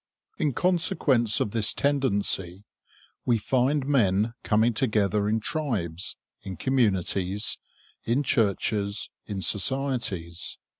In consequence of this tendency, we find men coming together in tribes, in communities, in churches, in societies.